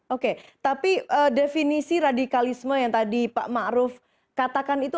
oke tapi definisi radikalisme yang tadi pak ma'ruf katakan itu